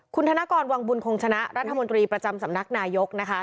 คุณธนกรวังบุญคงชนะรัฐมนตรีประจำสำนักนายกนะคะ